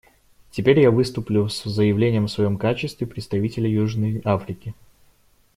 Теперь я выступлю с заявлением в своем качестве представителя Южной Африки.